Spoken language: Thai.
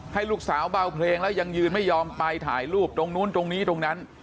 ให้ลูกสาวเบาเพลงแล้วยังยืนไม่ยอมไปถ่ายรูปตรงนู้นตรงนี้ตรงนั้น